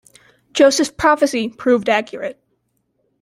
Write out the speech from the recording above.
Joseph's prophecy proved accurate.